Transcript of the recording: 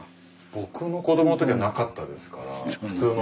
僕の子どもの時はなかったですから普通の。